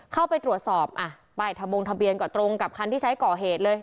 เข้าไปตรวจสอบอ่ะป้ายทะบงทะเบียนก็ตรงกับคันที่ใช้ก่อเหตุเลย